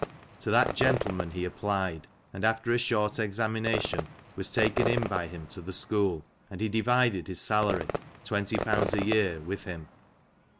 To that gentleman he applied, and after a short examination, was taken in by him to the school, and he. divided his salary, twenty pounds a year with him.